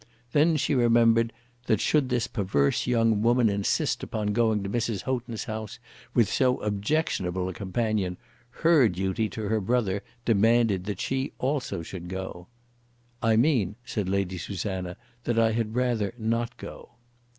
Then she remembered that should this perverse young woman insist upon going to Mrs. Houghton's house with so objectionable a companion, her duty to her brother demanded that she also should go. "I mean," said Lady Susanna, "that I had rather not go."